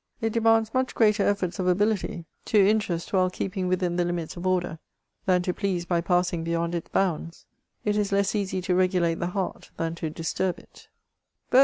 It de mands much greater efforts of ability, to interest while keeping within the limits of order, than to please by passing beyond its bounds ; it is less easy to regulate the heart than to disturb it* CHATEAUBRIAND.